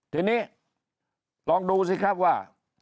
ทีนี้ลองดูสิครับว่า